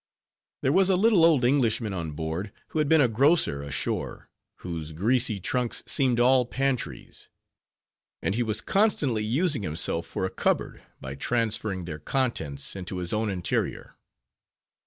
There was a little old Englishman on board, who had been a grocer ashore, whose greasy trunks seemed all pantries; and he was constantly using himself for a cupboard, by transferring their contents into his own interior.